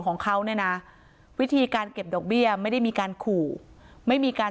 ของเขาเนี่ยนะวิธีการเก็บดอกเบี้ยไม่ได้มีการขู่ไม่มีการ